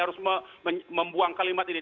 harus membuang kalimat ini